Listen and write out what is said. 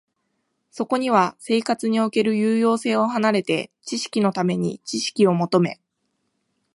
そこには生活における有用性を離れて、知識のために知識を求め、